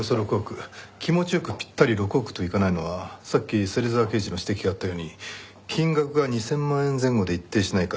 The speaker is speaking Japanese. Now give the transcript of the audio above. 気持ちよくぴったり６億といかないのはさっき芹沢刑事の指摘があったように金額が２０００万円前後で一定しないから。